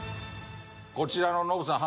こちらのノブさん